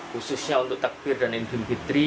khususnya untuk takbir dan idul fitri